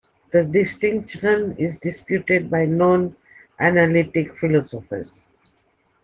The distinction is disputed by non-analytic philosophers.